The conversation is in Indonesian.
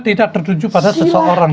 tidak tertuju pada seseorang